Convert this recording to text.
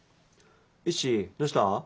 イッシーどうした？